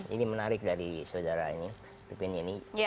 ini menarik dari saudara ini